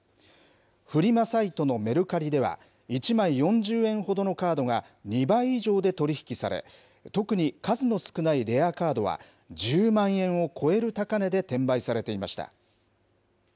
フリマサイトのメルカリでは、１枚４０円ほどのカードが、２倍以上で取り引きされ、特に数の少ないレアカードは１０万円を超える高値で転売されていました。